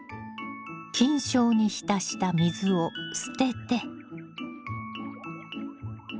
菌床に浸した水を捨てて。